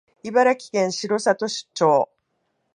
茨城県城里町